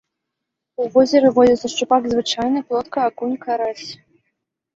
У возеры водзяцца шчупак звычайны, плотка, акунь, карась.